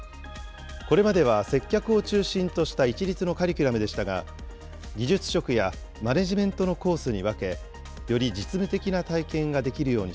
これまでは接客を中心とした一律のカリキュラムでしたが、技術職やマネジメントのコースに分け、より実務的な体験ができるように